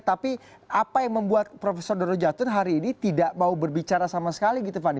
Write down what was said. tapi apa yang membuat profesor doro jatun hari ini tidak mau berbicara sama sekali gitu fann